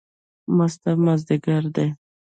مست مازدیګر دی